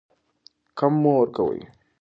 کم مه ورکوئ.